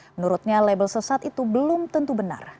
menurutnya label sesat itu belum tentu benar